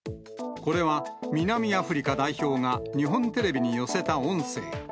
これは、南アフリカ代表が日本テレビに寄せた音声。